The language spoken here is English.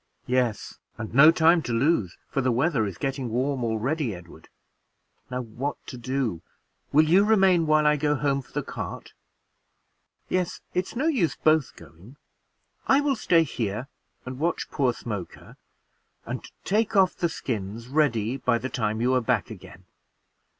"Yes, and no time to lose, for the weather is getting warm already, Edward. Now what to do? Will you remain while I go home for the cart?" "Yes, it's no use both going; I will stay here and watch poor Smoker, and take off the skins ready by the time you are back again.